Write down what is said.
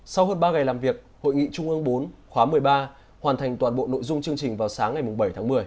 sau hơn ba ngày làm việc hội nghị trung ương bốn khóa một mươi ba hoàn thành toàn bộ nội dung chương trình vào sáng ngày bảy tháng một mươi